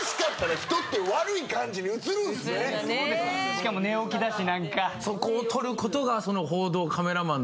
しかも寝起きだし。